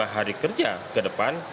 empat puluh lima hari kerja ke depan